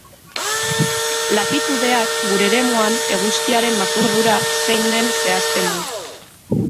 Latitudeak gure eremuan eguzkiaren makurdura zein den zehazten du.